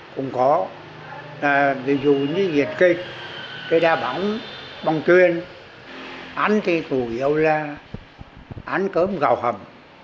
cũng có ví dụ như diệt kịch đa bóng bóng tuyên ánh thì chủ yếu là ánh cơm gạo hầm